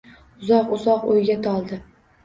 Uzoq-uzoq o’yga toldi